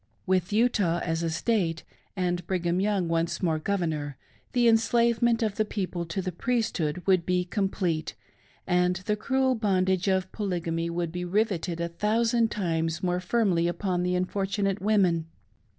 With Utah as a State, and Brigham Young once more Governor, the enslavement of the people to the Priesthood would be complete, and the cruel bondage of Polygamy would be rivetted a thousand times more firmly ypon the unfortunato women.